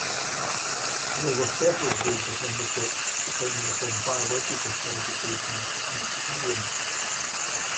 There were several grades of membership, depending upon biological qualifications and experience.